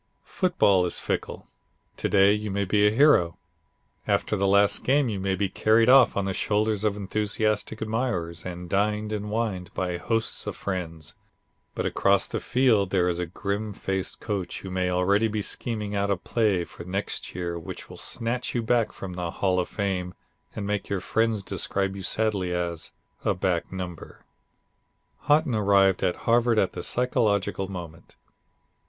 Football is fickle. To day you may be a hero. After the last game you may be carried off on the shoulders of enthusiastic admirers and dined and wined by hosts of friends; but across the field there is a grim faced coach who may already be scheming out a play for next year which will snatch you back from the "Hall of Fame" and make your friends describe you sadly as a "back number." Haughton arrived at Harvard at the psychological moment.